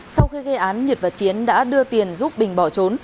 sau khi gây án nhiệt và chiến đã đưa tiền giúp bình bỏ trốn